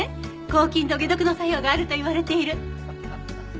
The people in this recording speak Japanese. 抗菌と解毒の作用があると言われている。